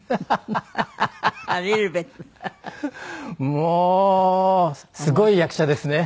もうすごい役者ですね。